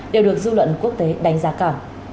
điều được dư luận quốc tế đánh giá cả